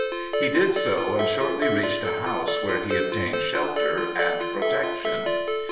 He did so, and shortly reached a house where he obtained shelter and protection.